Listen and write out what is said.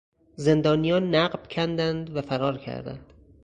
زندانیان نقب کندند و فرار کردند.